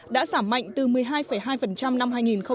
đã giảm mạnh từ một mươi hai hai năm hai nghìn một mươi